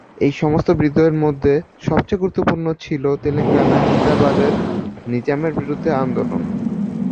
এই সমস্ত বিদ্রোহের মধ্যে সবচেয়ে গুরুত্বপূর্ণ ছিল তেলেঙ্গানায় হায়দ্রাবাদের নিজামের বিরুদ্ধে আন্দোলন।